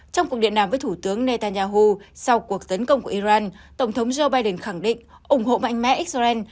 trong cuộc điện đàm với thủ tướng netanyahu sau cuộc tấn công của iran tổng thống joe biden khẳng định ủng hộ mạnh mẽ israel